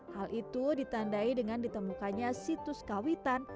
hal itu ditandai dengan ditemukannya situs kawitan